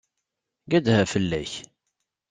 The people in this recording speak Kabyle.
Gedha fell-ak!